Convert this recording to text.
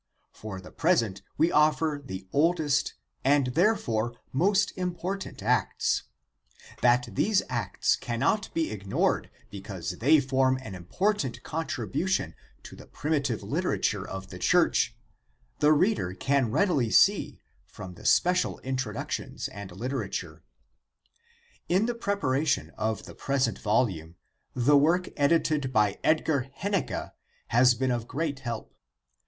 For the present we offer the oldest and therefore most important Acts, That these Acts cannot be ignored because they form an important contribution to the primitive literature of the Church, the reader can readily see from the special introductions and literature. In the preparation of the present volume the work edited by Edgar Hennecke has been of great help.